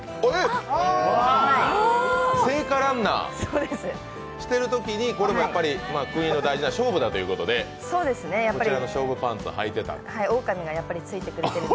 聖火ランナーしているときに、国の大事な勝負だということで、こちらの勝負パンツをはいていたと。